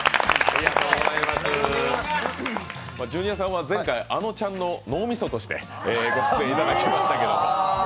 ジュニアさんは前回、あのちゃんの脳みそとしてご出演いただきましたけれども。